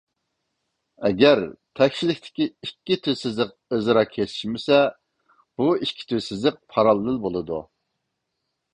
ئەگەر تەكشىلىكتىكى ئىككى تۈز سىزىق ئۆزئارا كېسىشمىسە، بۇ ئىككى تۈز سىزىق پاراللېل بولىدۇ.